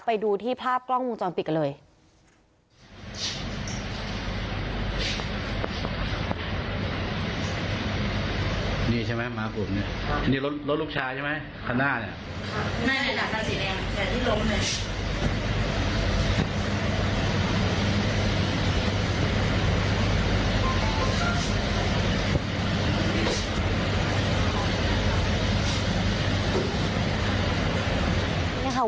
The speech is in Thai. ไปดูที่ภาพกล้องวงจรปิดกันเลย